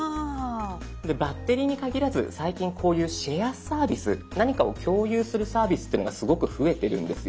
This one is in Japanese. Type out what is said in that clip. バッテリーに限らず最近こういう「シェアサービス」何かを共有するサービスっていうのがすごく増えてるんですよね。